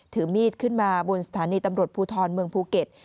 ถือมีดขึ้นมาบนสถานีตำรวจภูทรเมืองภูเก็ต